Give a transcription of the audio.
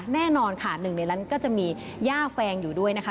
แน่นอนค่ะหนึ่งในนั้นก็จะมีย่าแฟงอยู่ด้วยนะคะ